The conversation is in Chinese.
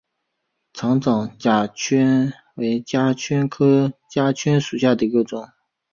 掌状叉蕨为叉蕨科叉蕨属下的一个种。